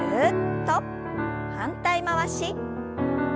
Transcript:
反対回し。